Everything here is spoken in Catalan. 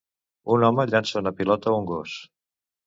Un home llança una pilota a un gos.